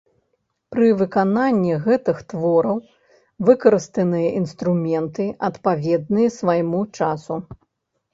Пры выкананні гэтых твораў выкарыстаныя інструменты, адпаведныя свайму часу.